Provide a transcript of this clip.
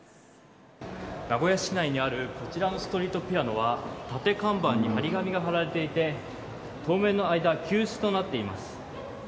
名古屋市内にあるこちらのストリートピアノは立て看板に貼り紙が貼られていて当面の間休止となっています。